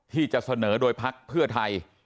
ที่จะเสนอโดยพักเพื่อไทย